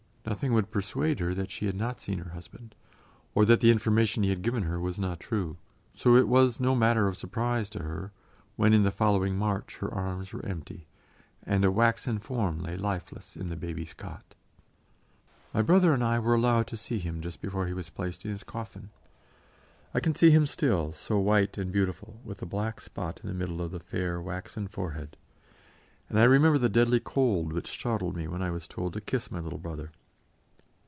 Nothing would persuade her that she had not seen her husband, or that the information he had given her was not true. So it was no matter of surprise to her when in the following March her arms were empty, and a waxen form lay lifeless in the baby's cot. My brother and I were allowed to see him just before he was placed in his coffin; I can see him still, so white and beautiful, with a black spot in the middle of the fair, waxen forehead, and I remember the deadly cold which startled me when I was told to kiss my little brother.